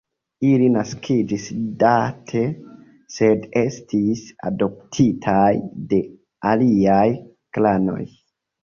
Ili naskiĝis Date, sed estis adoptitaj de aliaj klanoj.